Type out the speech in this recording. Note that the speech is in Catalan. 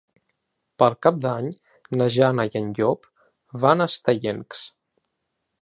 Per Cap d'Any na Jana i en Llop van a Estellencs.